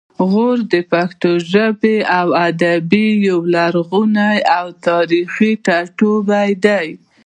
غور د پښتو ژبې او ادب یو لرغونی او تاریخي ټاټوبی دی